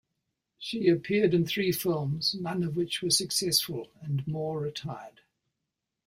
She appeared in three films, none of which was successful, and Moore retired.